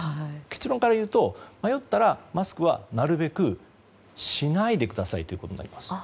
結論から言うと迷ったらマスクはなるべくしないでくださいということです。